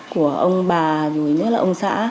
của ông bà dù ý nhất là ông xã